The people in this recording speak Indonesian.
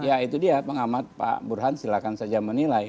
ya itu dia pengamat pak burhan silahkan saja menilai